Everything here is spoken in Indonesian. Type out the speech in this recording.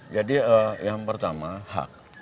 jadi yang pertama hak